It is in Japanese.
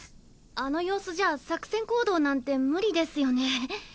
あの様子じゃ作戦行動なんて無理ですよね？